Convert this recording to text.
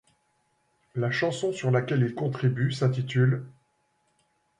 La chanson sur laquelle il contribue s'intitule '.